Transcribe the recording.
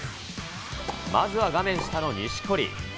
まずは画面下の錦織。